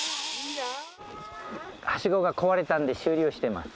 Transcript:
はしごが壊れたので修理をしています。